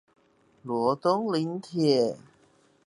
羅東林鐵